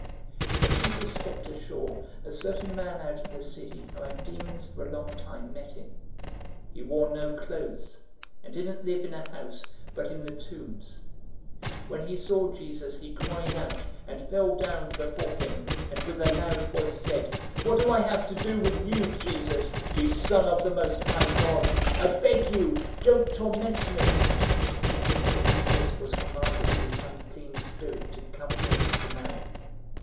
008:027 When Jesus stepped ashore, a certain man out of the city who had demons for a long time met him. He wore no clothes, and didn't live in a house, but in the tombs. 008:028 When he saw Jesus, he cried out, and fell down before him, and with a loud voice said, "What do I have to do with you, Jesus, you Son of the Most High God? I beg you, don't torment me!" 008:029 For Jesus was commanding the unclean spirit to come out of the man.